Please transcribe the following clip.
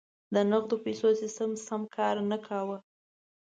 د نغدو پیسو سیستم سم کار نه کاوه.